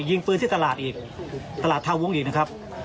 ยิงปืนที่ตลาดอีกตลาดทาวุ้งอีกนะครับ